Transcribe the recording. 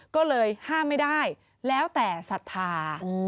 ก็เลยห้ามไม่ได้แล้วแต่ศรัทธา